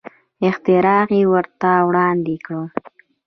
اختراع یې ورته وړاندې کړه.